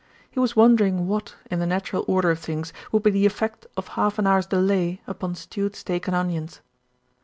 He was wondering what, in the natural order of things, would be the effect of half an hour's delay upon stewed steak and onions.